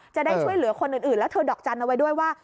จะได้ช่วยเหลือคนอื่นแล้วเธอดอกจันทร์เอาไว้ด้วยว่า